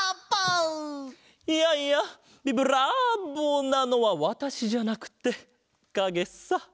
いやいやビブラーボなのはわたしじゃなくてかげさ！